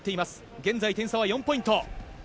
現在、点差は４ポイント。